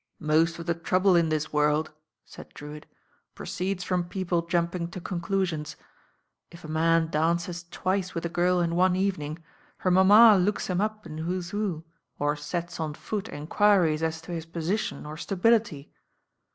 "Most of the trouble in this world," said Drewitt, "proceeds from people jumping to conclusions. If a man dances twice with a girl in one evening, her mamma looks him up in fVho's fVho, or sets on foot enquiries as to his position or stability.